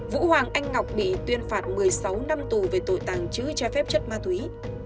vũ hoàng anh ngọc bị tuyên phạt một mươi sáu năm tù về tội tàng trữ trái phép chất ma túy